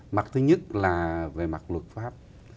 mặt thứ nhất là về mặt luật pháp